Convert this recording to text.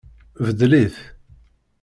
Beddel-it.